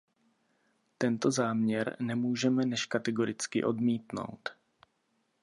Tento záměr nemůžeme než kategoricky odmítnout!